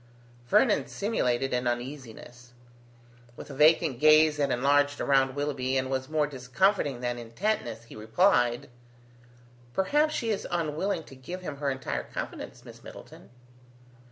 Vernon simulated an uneasiness. With a vacant gaze that enlarged around Willoughby and was more discomforting than intentness, he replied: "Perhaps she is unwilling to give him her entire confidence, Miss Middleton."